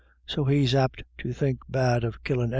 So he's apt to think bad of killin' anythin'."